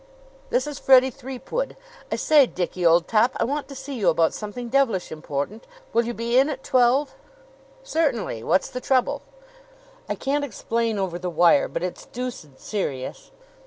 "This is Freddie Threepwood. I say, Dickie, old top, I want to see you about something devilish important. Will you be in at twelve?" "Certainly. What's the trouble?" "I can't explain over the wire; but it's deuced serious."